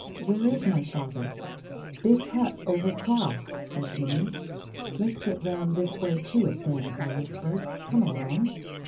"Where is my father?" "Big hut over 'cross," said Jimmy. "Let's get round this way to it then," I whispered. "Come along."